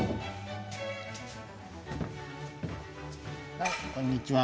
はいこんにちは。